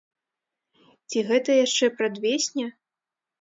Ці гэта яшчэ прадвесне?